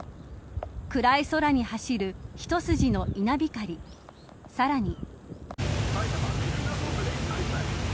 暗い空に走る一筋の稲光、さらに。